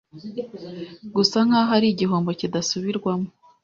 gusa nk'aho ari igihombo kidasubirwamo